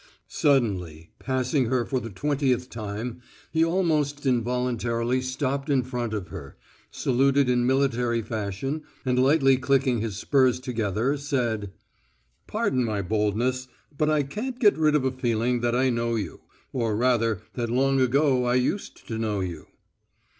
Suddenly, passing her for the twentieth time, he almost involuntarily stopped in front of her, saluted in military fashion, and lightly clicking his spurs together said: "Pardon my boldness ... but I can't get rid of a feeling that I know you, or rather that long ago I used to know you."